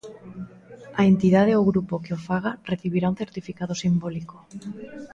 A entidade ou grupo que o faga recibirá un certificado simbólico.